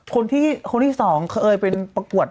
คนที่คนที่สองเคยเป็นประกวด